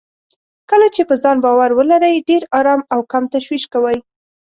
کله چې په ځان باور ولرئ، ډېر ارام او کم تشويش کوئ.